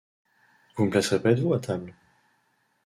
Vous me placerez près de vous à table.